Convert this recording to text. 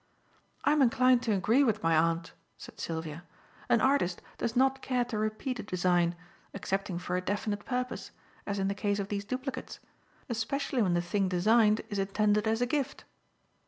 "I am inclined to agree with my aunt," said Sylvia. "An artist does not care to repeat a design, excepting for a definite purpose, as in the case of these duplicates; especially when the thing designed is intended as a gift."